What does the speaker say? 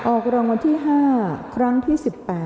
ออกรางวัลที่๕ครั้งที่๑๘